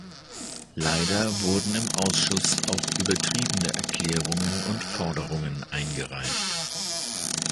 Leider wurden im Ausschuss auch übertriebene Erklärungen und Forderungen eingereicht.